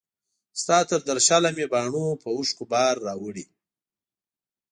ستا تر درشله مي باڼو په اوښکو بار راوړی